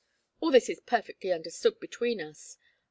All this is perfectly understood between us.